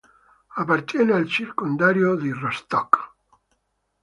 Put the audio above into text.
Appartiene al circondario di Rostock.